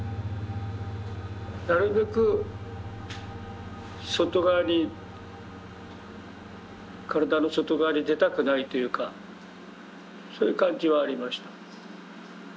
なるべく外側に身体の外側に出たくないというかそういう感じはありました。